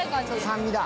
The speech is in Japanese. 酸味だ。